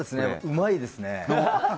うまいですね。